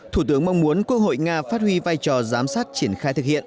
thủ tướng mong muốn quốc hội nga phát huy vai trò giám sát triển khai thực hiện